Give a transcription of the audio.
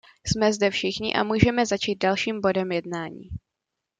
Jsme zde všichni a můžeme začít dalším bodem jednání.